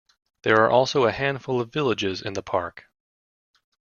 There are also a handful of villages in the park.